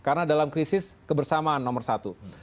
karena dalam krisis kebersamaan nomor satu